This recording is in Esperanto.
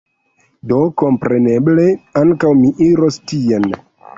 Do, kompreneble, ankaŭ mi iros tien